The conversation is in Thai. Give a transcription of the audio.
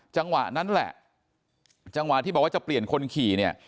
จังหวะนั้นแหละจังหวะที่บอกว่าจะเปลี่ยนคนขี่เนี่ย